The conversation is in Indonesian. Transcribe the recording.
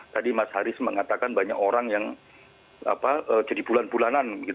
tadi mas haris mengatakan banyak orang yang jadi bulan bulanan